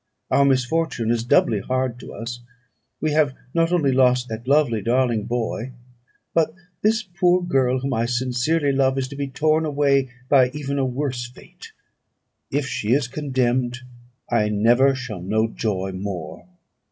Our misfortune is doubly hard to us; we have not only lost that lovely darling boy, but this poor girl, whom I sincerely love, is to be torn away by even a worse fate. If she is condemned, I never shall know joy more.